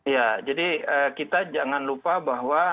ya jadi kita jangan lupa bahwa